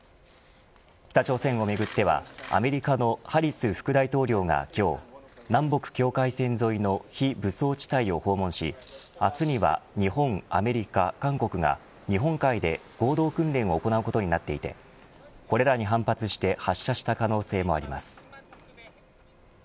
北朝鮮をめぐってはアメリカのハリス副大統領が今日、南北境界線沿いの非武装地帯を訪問し明日には日本、アメリカ、韓国が日本海で合同訓練を行うことになっていてこれらに反発して発射した可能性もあります。